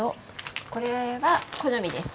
これは好みです。